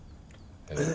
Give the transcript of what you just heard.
えっ。